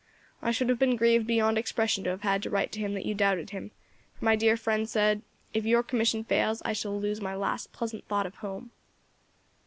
I should have been grieved beyond expression to have had to write to him that you doubted him, for my dear friend said, 'If your commission fails, I shall lose my last pleasant thought of home.'"